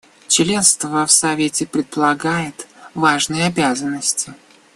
Членство в Совете предполагает важные обязанности.